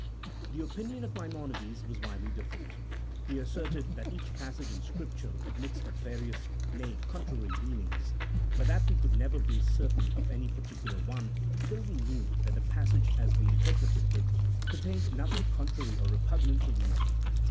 The opinion of Maimonides was widely different. He CHAP. VII.] OF THE INTERPRETATION OF SCRIPTURE. 115 asserted that each passage in Scripture admits of various, nay, contrary, meanings ; but that we could never be cer tain of any particular one till we knew that the passage, as we interpreted it, contained nothing contrary or repugnant to reason.